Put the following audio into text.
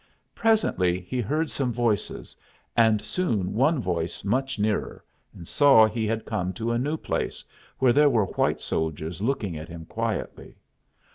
Presently he heard some voices, and soon one voice much nearer, and saw he had come to a new place, where there were white soldiers looking at him quietly.